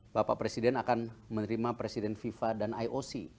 bapak presiden akan menerima presiden fifa dan ioc